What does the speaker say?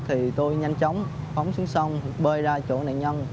thì tôi nhanh chóng phóng xuống sông bơi ra chỗ nạn nhân